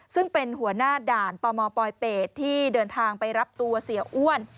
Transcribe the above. ซึ่งเป็นหัวหน้าด่านตมปลอยเป็ดที่เดินทางไปรับตัวเสียอ้วน